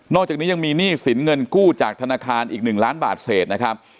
อกจากนี้ยังมีหนี้สินเงินกู้จากธนาคารอีก๑ล้านบาทเศษนะครับ